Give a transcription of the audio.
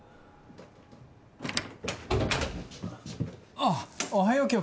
あっおはようキヨ